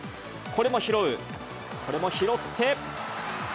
これも拾う、これも拾って。